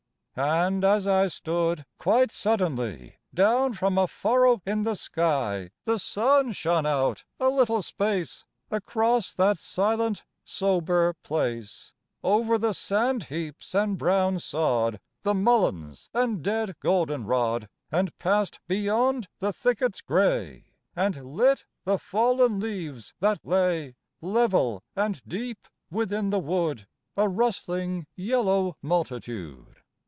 And as I stood, quite suddenly, Down from a furrow in the sky The sun shone out a little space Across that silent sober place, Over the sand heaps and brown sod, The mulleins and dead goldenrod, And passed beyond the thickets gray, And lit the fallen leaves that lay, Level and deep within the wood, A rustling yellow multitude.